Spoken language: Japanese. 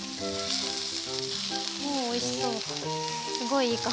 もうおいしそう。